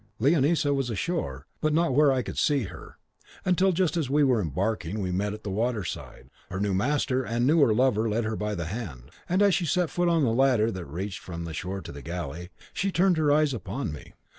"Leonisa was ashore, but not where I could see her, until just as we were embarking we met at the water side. Her new master and newer lover led her by the hand, and as she set foot on the ladder that reached from the shore to the galley, she turned her eyes upon me.